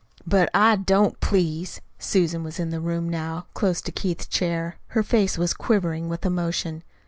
"But I don't please!" Susan was in the room now, close to Keith's chair. Her face was quivering with emotion.